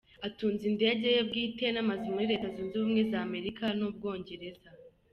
Atunze indege ye bwite n’amazu muri Leta Zunze Ubumwe z’Amerika n’Ubwongereza.